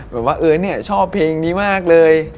ว่าเออเนี่ยชอบเพลงนี้มากเลย